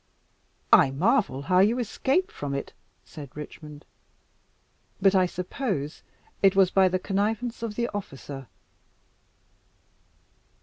"I marvel how you escaped from it," said Richmond; "but I suppose it was by the connivance of the officer."